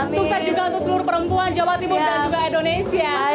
sukses juga untuk seluruh perempuan jawa timur dan juga indonesia